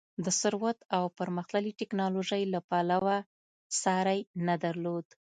د ثروت او پرمختللې ټکنالوژۍ له پلوه ساری نه درلود.